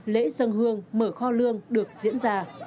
lễ dân hương mở kho lương được diễn ra